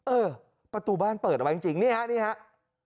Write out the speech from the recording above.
เออประตูบ้านเปิดเอาไว้จริงนี่ฮะนี่ครับ